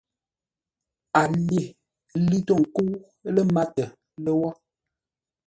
A lê, lʉ̂ tô ńkə́u lə́ mátə lə́wó.